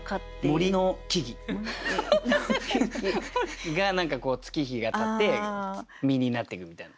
「森の木々」。が月日がたって実になっていくみたいな。